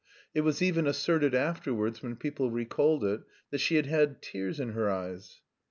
It was even asserted afterwards when people recalled it, that she had had tears in her eyes.